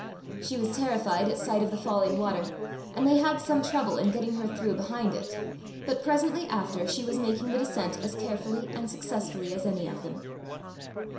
She was terrified at sight of the falling water, and they had some trouble in getting her through behind it, but presently after, she was making the descent as carefully and successfully as any of them.